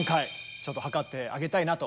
ちょっとはかってあげたいなと。